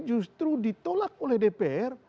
justru ditolak oleh dpr